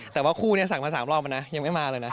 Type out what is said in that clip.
แต่ว่าคู่สักมาสามรอบป่ะนะยังไม่มาเลยนะ